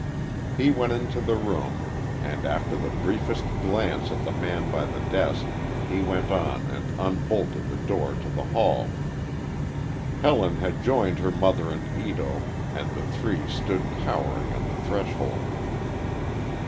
He went into the room, and after the briefest glance at the man by the desk he went on and unbolted the door to the hall. Helen had joined her mother and Ito, and the three stood cowering on the threshold.